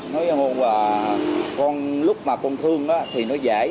nói con lúc mà con thương thì nó dễ